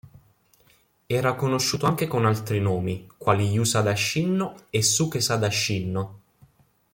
Era conosciuto anche con altri nomi quali Iyasada-shinnō e Sukesada-shinnō.